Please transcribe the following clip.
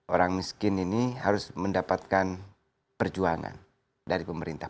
orang miskin ini harus mendapatkan perjuangan dari pemerintah